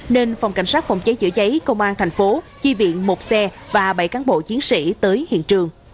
nên phòng cảnh sát phòng cháy chữa cháy công an thành phố chi viện một xe và bảy cán bộ chiến sĩ tới hiện trường